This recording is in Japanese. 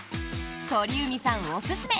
鳥海さんおすすめ！